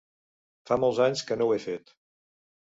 Fa molts anys que no ho he fet.